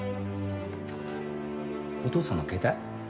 お父さんの携帯？